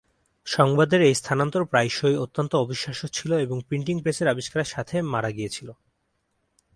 সংবাদের এই স্থানান্তর প্রায়শই অত্যন্ত অবিশ্বাস্য ছিল এবং প্রিন্টিং প্রেসের আবিষ্কারের সাথে মারা গিয়েছিল।